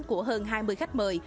của hơn hai mươi khách mời